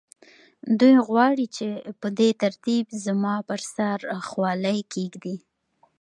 دوی غواړي چې په دې ترتیب زما پر سر خولۍ کېږدي